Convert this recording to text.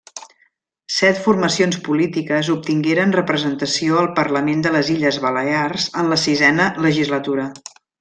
Set formacions polítiques obtingueren representació al Parlament de les Illes Balears en la Sisena Legislatura.